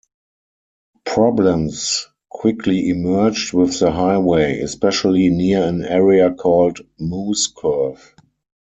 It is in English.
Problems quickly emerged with the highway, especially near an area called "Moose Curve".